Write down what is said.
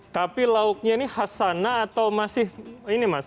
tapi lauknya ini khas sana atau masih ini mas